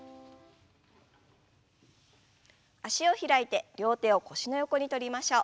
脚を開いて両手を腰の横にとりましょう。